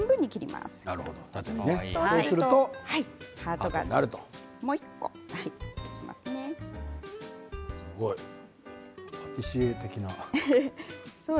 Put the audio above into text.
すごい、パティシエ的な。